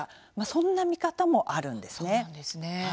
そんな見方もあるんです。